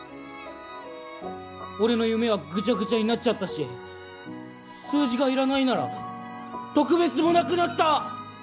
俺の夢はぐちゃぐちゃになっちゃったし数字がいらないなら特別もなくなった！